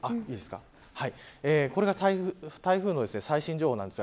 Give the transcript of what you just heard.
これが台風の最新情報です。